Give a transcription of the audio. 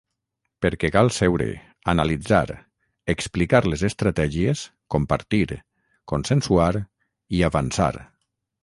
Perquè cal seure, analitzar, explicar les estratègies, compartir, consensuar i avançar.